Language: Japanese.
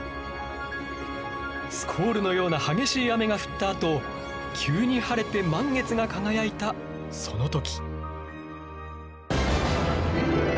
スコールのような激しい雨が降ったあと急に晴れて満月が輝いたその時！